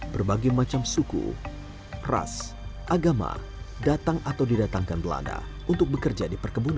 berbagai macam suku ras agama datang atau didatangkan belanda untuk bekerja di perkebunan